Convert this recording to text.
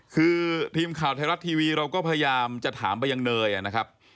คือทีมข่าวไทยรัฐทีวีเราก็พยายามจะถามไปยังเนยนะครับ